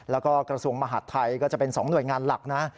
แล้วก็กระทรวงมหาดไทยก็จะเป็น๒หน่วยงานหลักนะ